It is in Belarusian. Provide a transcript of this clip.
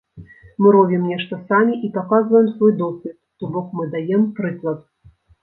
Мы робім нешта самі і паказваем свой досвед, то бок мы даем прыклад.